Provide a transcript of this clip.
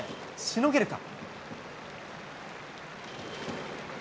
しのげるか。